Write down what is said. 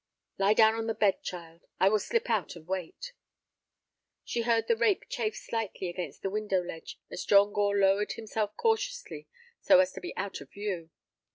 "Lie down on the bed, child; I will slip out and wait." She heard the rope chafe slightly against the window ledge as John Gore lowered himself cautiously so as to be out of view.